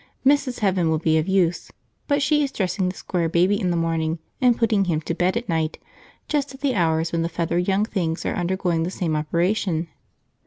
Mrs. Heaven would be of use, but she is dressing the Square Baby in the morning and putting him to bed at night just at the hours when the feathered young things are undergoing the same operation.